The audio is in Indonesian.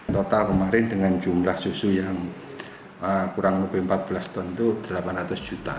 total kemarin dengan jumlah susu yang kurang lebih empat belas ton itu delapan ratus juta